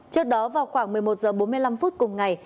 trước đó vào khoảng một mươi một h bốn mươi năm phút cùng ngày